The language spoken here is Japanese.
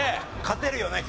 勝てるよね